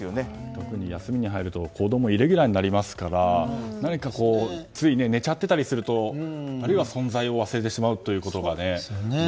特に休みに入ると子供イレギュラーになりますから何か、つい寝ちゃってたりするとあるいは存在を忘れてしまうということがね。